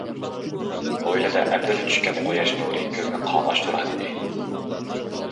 ھويلىدا ئەمدىلا چۈشكەن قۇياش نۇرى كۆزنى قاماشتۇراتتى.